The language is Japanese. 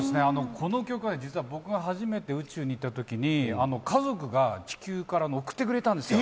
この曲は実は僕が初めて宇宙に行ったときに家族が地球から送ってくれたんですよ。